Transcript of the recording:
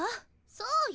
そうよ。